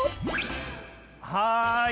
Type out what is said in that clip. はい！